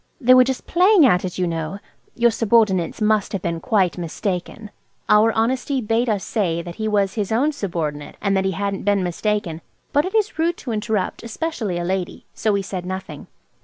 They were just playing at it, you know. Your subordinates must have been quite mistaken." Our honesty bade us say that he was his own subordinate, and that he hadn't been mistaken; but it is rude to interrupt, especially a lady, so we said nothing.